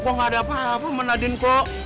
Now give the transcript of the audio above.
gua gak ada apa apa sama nadine kok